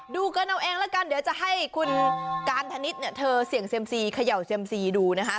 ดูกันเอาเองแล้วกันเดี๋ยวจะให้คุณการธนิษฐ์เนี่ยเธอเสี่ยงเซียมซีเขย่าเซียมซีดูนะคะ